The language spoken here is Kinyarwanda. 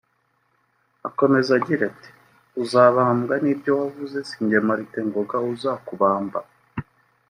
" Akomeza agira ati “Uzababwa n’ibyo wavuze sinjye Martin Ngoga uzakubamba